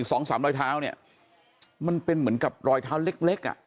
สองสามรอยเท้าเนี่ยมันเป็นเหมือนกับรอยเท้าเล็กเล็กอ่ะ